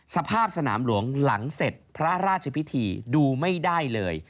สภาพสนามหลวงหลังเสร็จพระราชพิธีดูไม่ได้เลย